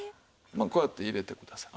まあこうやって入れてください。